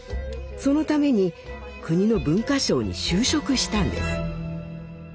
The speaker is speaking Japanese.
そのために国の文化省に就職したんです。